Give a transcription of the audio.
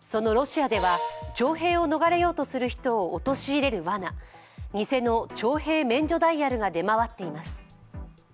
そのロシアでは徴兵を逃れようとする人を陥れるわな、偽の徴兵免除ダイヤルが出回っています。